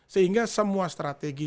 sehingga semua strategi